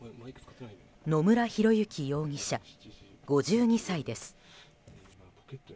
野村広之容疑者、５２歳です。